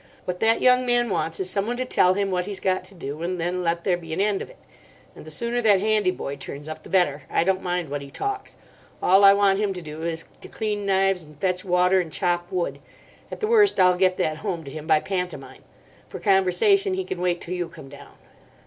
What that young man wants is someone to tell him what he's got to do, and then let there be an end of it. And the sooner that handy boy turns up the better. I don't mind what he talks. All I want him to do is to clean knives and fetch water and chop wood. At the worst I'll get that home to him by pantomime. For conversation he can wait till you come down."